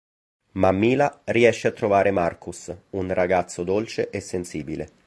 Ma Mila, riesce a trovare Markus un ragazzo dolce e sensibile.